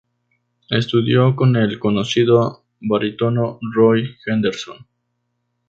Estudió con el conocido barítono Roy Henderson.